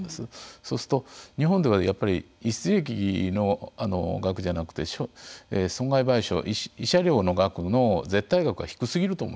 そうすると、日本ではやっぱり逸失利益の額じゃなくて損害賠償、慰謝料の額の絶対額が低すぎると思います。